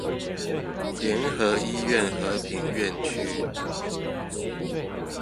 聯合醫院和平院區